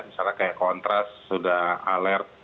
misalnya kayak kontras sudah alert